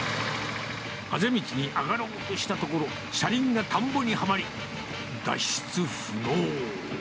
あぜ道に上がろうとしたところ、車輪が田んぼにはまり、脱出不能。